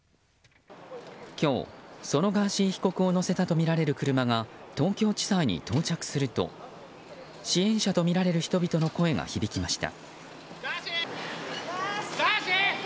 今日、そのガーシー被告を乗せたとみられる車が東京地裁に到着すると支援者とみられる人々の声が響きました。